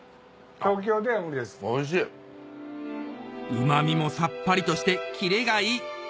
うま味もさっぱりとして切れがいい